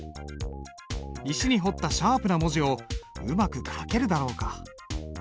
石に彫ったシャープな文字をうまく書けるだろうか。